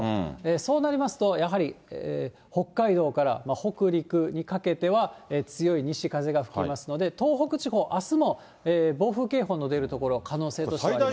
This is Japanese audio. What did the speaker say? そうなりますと、やはり北海道から北陸にかけては、強い西風が吹きますので、東北地方、あすも暴風警報の出る所、可能性としてはあります。